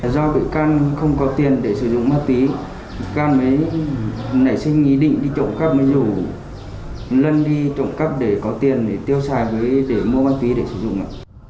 do bị can không có tiền để sử dụng ma túy cam mới nảy sinh ý định đi trộm cắp mới rủ lân đi trộm cắp để có tiền để tiêu xài với để mua ma túy để sử dụng